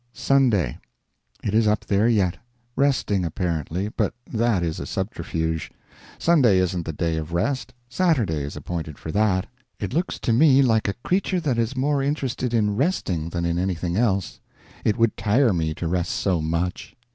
SUNDAY. It is up there yet. Resting, apparently. But that is a subterfuge: Sunday isn't the day of rest; Saturday is appointed for that. It looks to me like a creature that is more interested in resting than in anything else. It would tire me to rest so much.